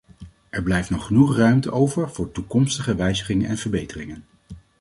Er blijft nog genoeg ruimte over voor toekomstige wijzigingen en verbeteringen.